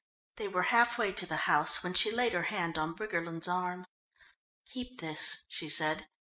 They were half way to the house when she laid her hand on Briggerland's arm. "Keep this," she said.